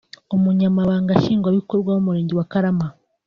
Umunyamabanga nshingwabikorwa w’Umurenge wa Karama